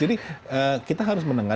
jadi kita harus mendengar